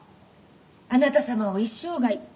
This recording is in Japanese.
「あなた様を一生涯」。